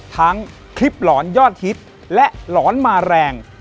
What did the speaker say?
ทั้งคลิปหลอนยอดฮิตและหลอนมาแรง